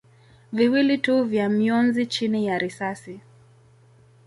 viwili tu vya mionzi chini ya risasi.